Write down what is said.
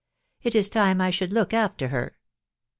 It is time I should look after her."